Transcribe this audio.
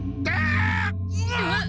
あっ！